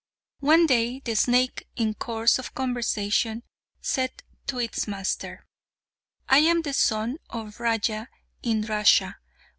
One day the snake in course of conversation said to its master, "I am the son of Raja Indrasha.